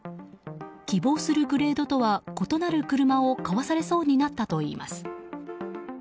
希望するグレードとは異なる車を買わされそうになったといいます。